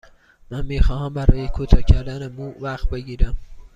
من می خواهم برای کوتاه کردن مو وقت بگیرم.